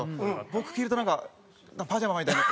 僕着るとなんかパジャマみたいになって。